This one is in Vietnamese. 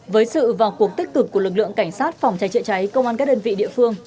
với sự vào cuộc tích cực của lực lượng cảnh sát phòng cháy chữa cháy công an các đơn vị địa phương